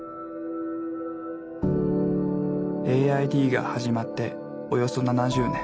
ＡＩＤが始まっておよそ７０年。